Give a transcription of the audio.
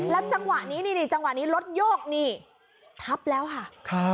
แล้วจังหวะนี้รถโยกทับแล้วค่ะ